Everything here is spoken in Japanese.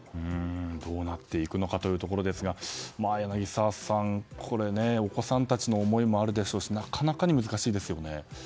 どうなっていくのかというところですが柳澤さん、これはお子さんたちの思いもあるでしょうしなかなかに難しいですよね。